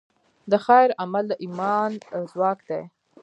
د خیر عمل د ایمان ځواک دی.